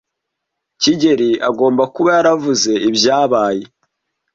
kigeli agomba kuba yaravuze ibyabaye.